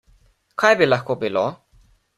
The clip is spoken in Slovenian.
Kaj bi lahko bilo?